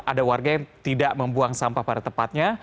ada warga yang tidak membuang sampah pada tepatnya